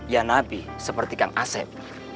ya nabi seperti kang asep